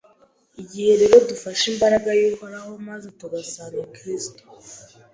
Igihe rero dufashe imbaraga y’Uhoraho, maze tugasanga Kristo